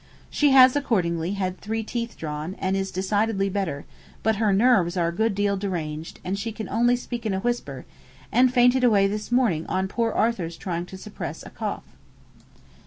She has accordingly had three teeth drawn, and is decidedly better; but her nerves are a good deal deranged, she can only speak in a whisper, and fainted away this morning on poor Arthur's trying to suppress a cough.'